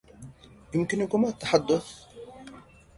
يمكنكما التّحدّث.